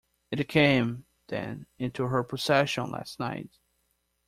It came, then, into her possession last night.